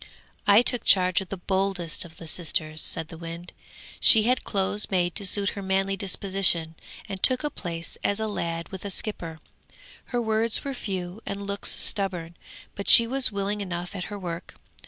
'I took charge of the boldest of the sisters,' said the wind. 'She had clothes made to suit her manly disposition, and took a place as a lad with a skipper. Her words were few and looks stubborn, but she was willing enough at her work.